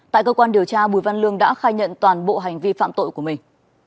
tại cơ quan điều tra bùi văn lương đã khai nhận toàn bộ hành vi phạm tội của mình